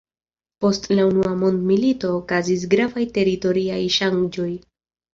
Post la unua mondmilito okazis gravaj teritoriaj ŝanĝoj.